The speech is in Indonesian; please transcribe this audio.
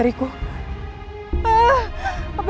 riz aku mohon jangan